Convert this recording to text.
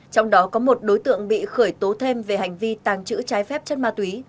trong đó có một đối tượng bị khởi tố thêm về hành vi tàng trữ trái phép chất ma túy